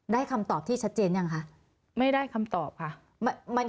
คำตอบที่ชัดเจนยังคะไม่ได้คำตอบค่ะ